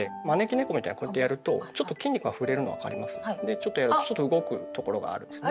ちょっとやるとちょっと動くところがあるんですね。